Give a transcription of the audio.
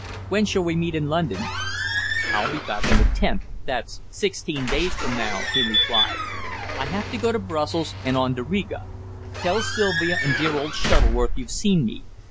"When shall we meet in London?" "I'll be back on the 10th that's sixteen days from now," he replied. "I have to go to Brussels, and on to Riga. Tell Sylvia and dear old Shuttleworth you've seen me.